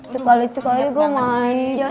sekali sekali gue manda sama lo